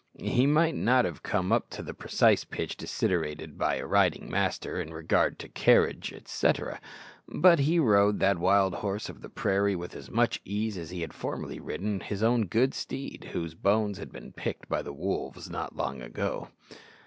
He might not have come up to the precise pitch desiderated by a riding master in regard to carriage, etc., but he rode that wild horse of the prairie with as much ease as he had formerly ridden his own good steed, whose bones had been picked by the wolves not long ago.